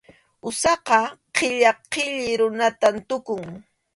Usaqa qilla qhilli runatam tukun.